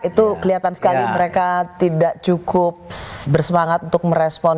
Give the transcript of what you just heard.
itu kelihatan sekali mereka tidak cukup bersemangat untuk merespon